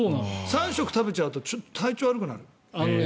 ３食食べちゃうとちょっと体調が悪くなる。